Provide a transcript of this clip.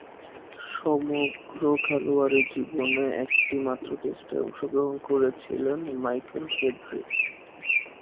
সমগ্র খেলোয়াড়ী জীবনে একটিমাত্র টেস্টে অংশগ্রহণ করেছেন মাইকেল ফ্রেডরিক।